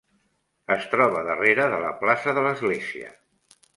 Es troba darrere de la plaça de l'església.